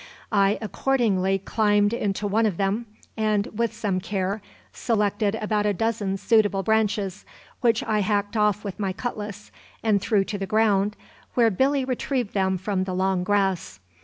I accordingly climbed into one of them and, with some care, selected about a dozen suitable branches, which I hacked off with my cutlass and threw to the ground, where Billy retrieved them from the long grass.